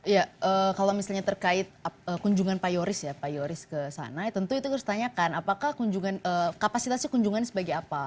ya kalau misalnya terkait kunjungan pak yoris ya pak yoris ke sana tentu itu terus ditanyakan apakah kunjungan kapasitasnya kunjungan sebagai apa